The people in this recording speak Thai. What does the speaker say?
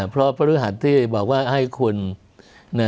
เพราะพฤหัสที่บอกว่าให้คุณ